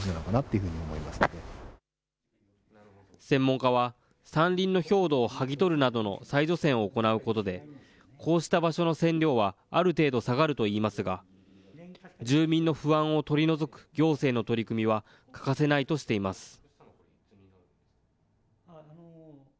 専門家は、山林の表土を剥ぎ取るなどの再除染を行うことで、こうした場所の線量は、ある程度下がるといいますが、住民の不安を取り除く行政の取り組みは、欠かせないとしています。